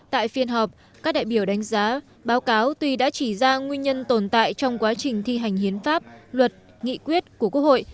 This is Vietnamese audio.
tại phiên họp các đại biểu đánh giá báo cáo tuy đã chỉ ra nguyên nhân tồn tại trong quá trình thi hành hiến pháp luật nghị quyết của quốc hội